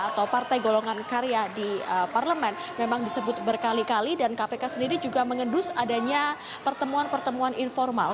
atau partai golongan karya di parlemen memang disebut berkali kali dan kpk sendiri juga mengendus adanya pertemuan pertemuan informal